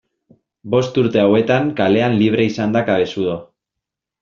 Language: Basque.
Bost urte hauetan kalean libre izan da Cabezudo.